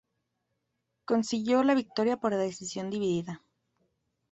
Consiguió la victoria por decisión dividida.